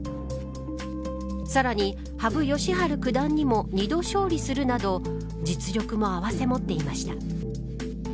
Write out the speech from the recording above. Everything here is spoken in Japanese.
さらに、羽生善治九段にも２度勝利するなど実力も併せ持っていました。